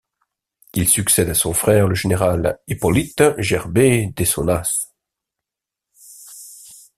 Il succède à son frère, le général Hippolyte Gerbaix de Sonnaz.